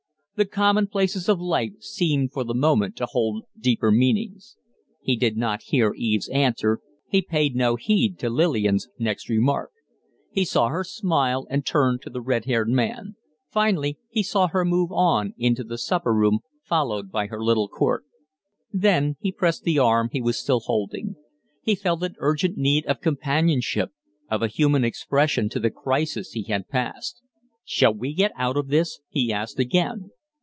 The commonplaces of life seemed for the moment to hold deeper meanings. He did not hear Eve's answer, he paid no heed to Lillian's next remark. He saw her smile and turn to the red haired man; finally he saw her move on into the supper room, followed by her little court. Then he pressed the arm he was still holding. He felt an urgent need of companionship of a human expression to the crisis he had passed. "Shall we get out of this?" he asked again.